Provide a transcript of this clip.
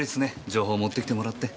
情報を持ってきてもらって。